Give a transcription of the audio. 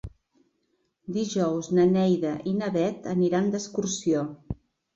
Dijous na Neida i na Bet aniran d'excursió.